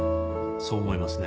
そう思いますね。